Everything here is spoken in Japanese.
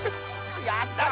「やったー！